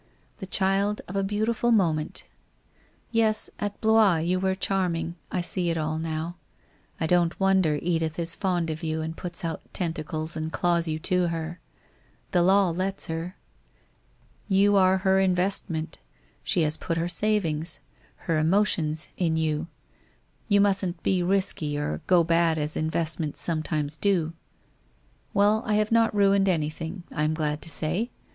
The child of a beautiful moment. Yes, at Blois you were charming, I see it all now. I don't wonder Edith is fond of you and puts out tentacles and claws you to her. The law lets her. You are her investment, she has put her savings — her emotions in you, you mustn't be risky or go bad as investments some times do. Well, I have not ruined anything, I am glad to say.